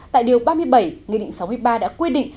tại điều ba mươi bảy nghị định sáu mươi ba đã quy định